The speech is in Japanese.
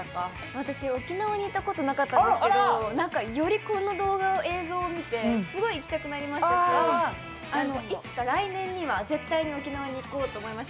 私、沖縄に行ったことなかったんですけど、より、この映像を見てすごい行きたくなりましたし、いつか、来年には絶対沖縄に行こうと思いました。